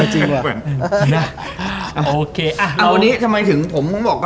เหมือน